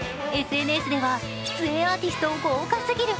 ＳＮＳでは出演アーティスト豪華すぎる！